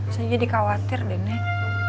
saya jadi khawatir deh nek